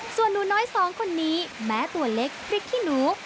ส่วนหนูน้อยสองคนนี้แม้ตัวเล็กพริกขี้หนู